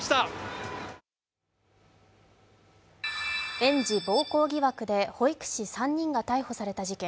園児暴行疑惑で保育士３人が逮捕された事件。